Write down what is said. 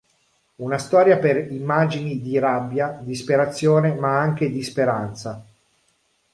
Una storia per immagini di rabbia, disperazione ma anche di speranza.